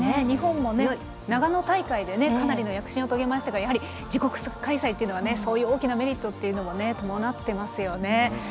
日本も長野大会でかなりの躍進を遂げましたからやはり、自国開催というのはそういう大きなメリットは伴っていますよね。